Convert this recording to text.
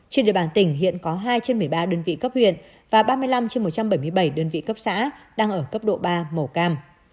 trên địa bàn tỉnh hiện có hai trên một mươi ba đơn vị cấp huyện và ba mươi năm trên một trăm bảy mươi bảy đơn vị cấp xã đang ở cấp độ ba màu cam